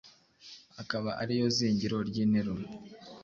akaba ari yo zingiro ry’interuro.